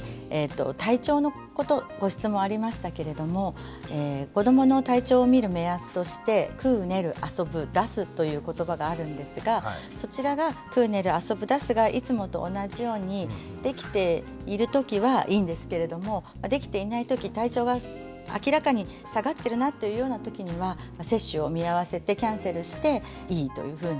体調のことご質問ありましたけれども子どもの体調を見る目安として「くう・ねる・あそぶ・だす」という言葉があるんですがそちらが「くう・ねる・あそぶ・だす」がいつもと同じようにできている時はいいんですけれどもできていない時体調が明らかに下がってるなというような時には接種を見合わせてキャンセルしていいというふうに。